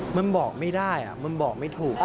มันบอกไม่ได้มันบอกไม่ถูก